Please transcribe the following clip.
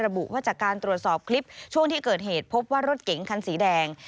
บุว่าจากการตรวจสอบคลิปช่วงที่เกิดเหตุพบว่ารถเก๋งคันสีแดง